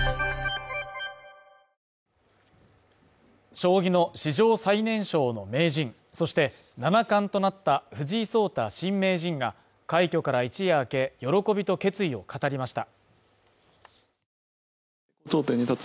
将棋の史上最年少の名人、そして七冠となった藤井聡太新名人が快挙から一夜明け、喜びと決意を語りました。